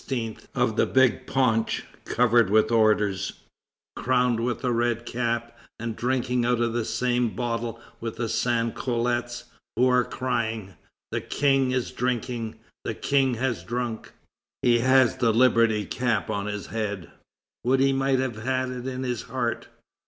of the big paunch, covered with orders, crowned with a red cap, and drinking out of the same bottle with the sans culottes, who are crying: 'The King is drinking, the King has drunk. He has the liberty cap on his head.' Would he might have it in his heart!"